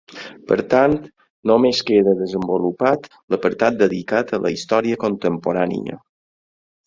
Per tant, només queda desenvolupat l'apartat dedicat a la història contemporània.